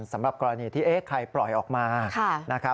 สำหรับกรณีที่ใครปล่อยออกมา